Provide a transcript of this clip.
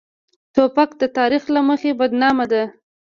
توپک د تاریخ له مخې بدنامه ده.